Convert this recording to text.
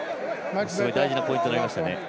大事なポイントになりましたね。